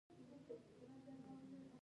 حتی که زما ژبه وايي.